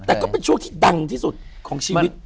แต่ก็เป็นช่วงที่ดังที่สุดของชีวิต